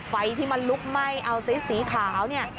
ไฟที่มันลุกไหม้เอาซิสสีขาวเนี่ย